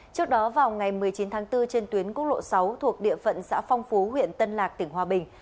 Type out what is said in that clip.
trước đó vào ngày một mươi chín tháng bốn trên tuyến quốc lộ sáu thuộc địa phận xã phong phú huyện tân lạc tỉnh hòa bình